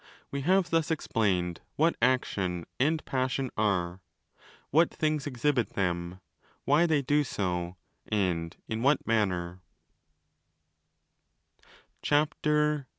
We have thus explained what action and passion are, what things exhibit them, why they do so, and in what 25 manner.